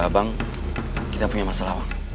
bang kita punya masalah bang